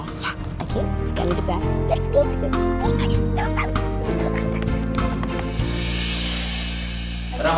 oke sekarang kita let's go